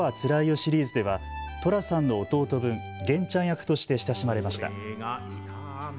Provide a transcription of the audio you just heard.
シリーズでは寅さんの弟分、源ちゃん役として親しまれました。